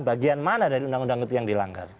bagian mana dari undang undang itu yang dilanggar